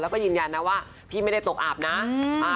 แล้วก็ยืนยันนะว่าพี่ไม่ได้ตกอาบนะ